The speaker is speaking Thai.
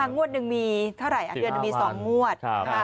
งวดหนึ่งมีเท่าไหร่อันเดือนมี๒งวด